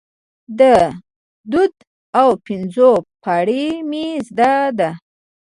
د دوو او پنځو پاړۍ مې زده ده،